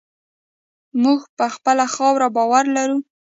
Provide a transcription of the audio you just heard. موږ په خپله خاوره باور لرو.